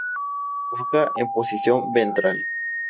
Boca en posición ventral.